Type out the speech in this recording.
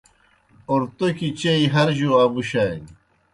اوْرتوْکیْ چیئی ہر جوْ امُشانیْ۔